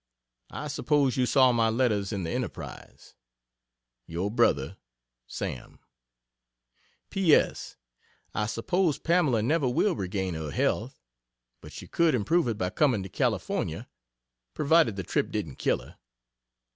I suppose you saw my letters in the "Enterprise." Yr. BRO, SAM P. S. I suppose Pamela never will regain her health, but she could improve it by coming to California provided the trip didn't kill her.